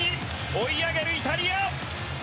追い上げるイタリア！